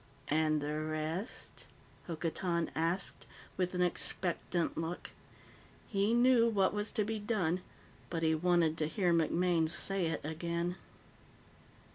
"And the rest?" Hokotan asked, with an expectant look. He knew what was to be done, but he wanted to hear MacMaine say it again.